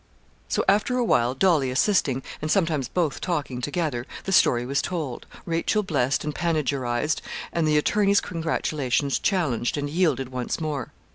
So after a while, Dolly assisting, and sometimes both talking together, the story was told, Rachel blessed and panegyrised, and the attorney's congratulations challenged and yielded once more.